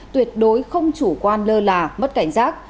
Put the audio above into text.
tuyệt đối không chủ quan lơ là mất cảnh giác